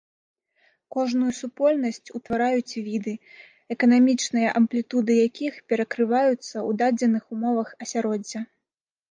Кожную супольнасць утвараюць віды, экалагічныя амплітуды якіх перакрываюцца ў дадзеных умовах асяроддзя.